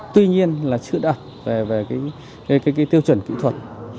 tuy nhiên là chưa đặt về cái tiêu chuẩn kỹ thuật